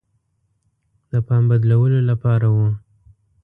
د پام بدلولو لپاره وه.